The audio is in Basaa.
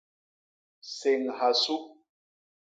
Séñha su.